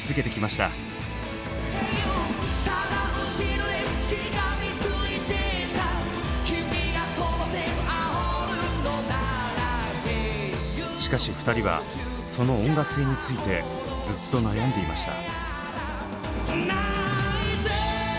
しかし２人はその音楽性についてずっと悩んでいました。